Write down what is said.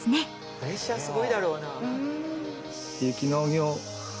プレッシャーすごいだろうな。